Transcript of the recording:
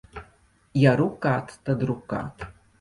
Ja rukāt, tad rukāt.